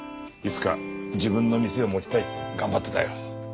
いつか自分の店を持ちたいって頑張ってたよ。